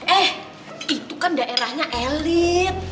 eh itu kan daerahnya elit